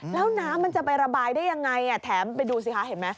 แล้วน้ำมันจะไประบายได้ยังไงแถมไปดูสิคะเห็นไหม